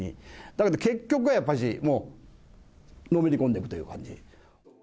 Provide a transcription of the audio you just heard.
だけど結局はやっぱし、もうのめり込んでいるという感じ。